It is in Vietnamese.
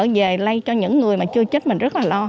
về lây cho những người mà chưa chết mình rất là lo